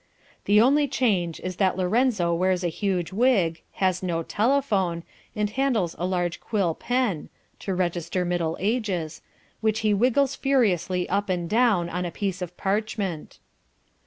The only change is that Lorenzo wears a huge wig, has no telephone, and handles a large quill pen (to register Middle Ages) which he wiggles furiously up and down on a piece of parchment.